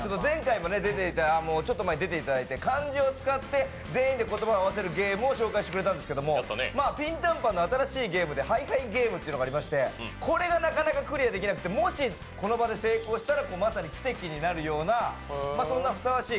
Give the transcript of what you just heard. ちょっと前回も出てもらって漢字を使って全員で言葉を合わせるゲームを紹介してくれたんですけどピンタンパンの新しいゲームで「ハイハイゲーム！！」っていうのがありましてこれがなかなかクリアできなくてもしこの場で成功したらまさに奇跡になるような、そんなふさわしい